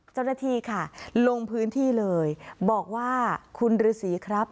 เจ้าหน้าที่ค่ะลงพื้นที่เลยบอกว่าคุณฤษีครับ